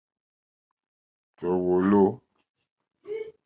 Tɔ̀ wɔ̌lɔ̀.